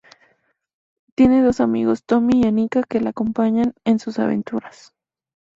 Tiene dos amigos, Tommy y Annika, que la acompañan en sus aventuras.